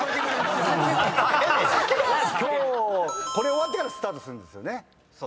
今日これ終わってからスタートするんですよね？